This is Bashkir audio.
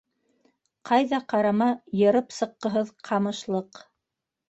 Ҡайҙа ҡарама, йырып сыҡҡыһыҙ ҡамышлыҡ.